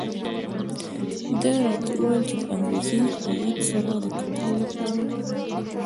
ده راته وویل چې د انګریزي هیات سره د کتلو لپاره.